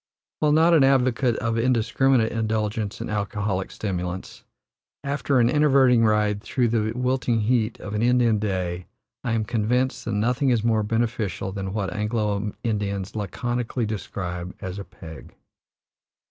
While not an advocate of indiscriminate indulgence in alcoholic stimulants, after an enervating ride through the wilting heat of an Indian day I am convinced that nothing is more beneficial than what Anglo Indians laconically describe as a "peg."